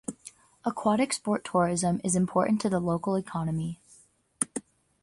Aquatic sport tourism is important to the local economy.